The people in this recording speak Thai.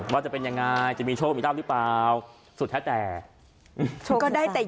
ว่าจะเป็นยังไงจะมีโชคมีราบหรือเปล่าสุดแท้แต่ก็ได้แต่